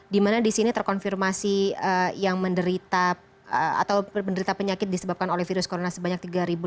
dimana di sini terkonfirmasi yang menderita atau menderita penyakit disebabkan oleh virus corona sebanyak tiga lima ratus lima puluh empat